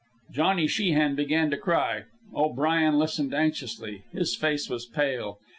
Johnny Sheehan began to cry. O'Brien listened anxiously. His face was pale.